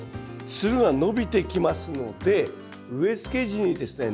つるが伸びてきますので植えつけ時にですね